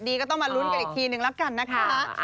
ก็ต้องมาลุ้นกันอีกทีนึงแล้วกันนะคะ